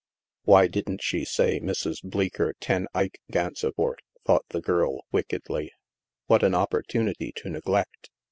(" Why didn't she say * Mrs. Bleecker Ten Eyck Gansevoort ?" thought the girl wickedly. " What an opportunity to neglect